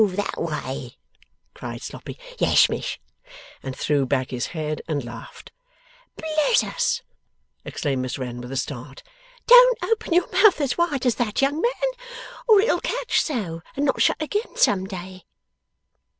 That way!' cried Sloppy. 'Yes, Miss.' And threw back his head and laughed. 'Bless us!' exclaimed Miss Wren, with a start. 'Don't open your mouth as wide as that, young man, or it'll catch so, and not shut again some day.